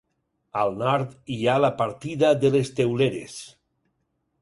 Al nord hi ha la partida de les Teuleres.